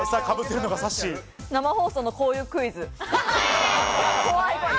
生放送のこういうクイズ。